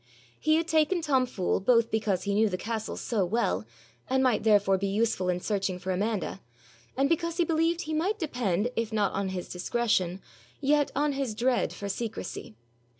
He had taken Tom Fool both because he knew the castle so well, and might therefore be useful in searching for Amanda, and because he believed he might depend, if not on his discretion, yet on his dread, for secrecy.